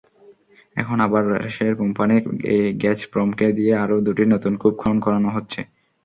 এখন আবার রাশিয়ার কোম্পানি গ্যাজপ্রমকে দিয়ে আরও দুটি নতুন কূপ খনন করানো হচ্ছে।